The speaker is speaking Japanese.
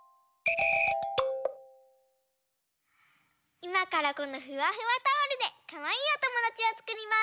いまからこのフワフワタオルでかわいいおともだちをつくります！